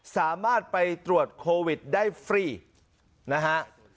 สามารถไปตรวจโควิดได้ฟรีนะฮะ